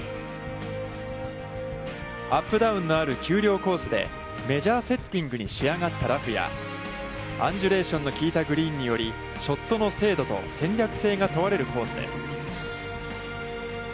アップダウンのある丘陵コースでメジャーセッティングに仕上がったラフやアンジュレーションの効いたグリーンによりショットの精度と戦略性が問われるコースです。